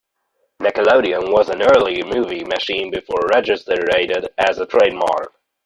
"Nickelodeon" was an early movie machine before registered as a trademark.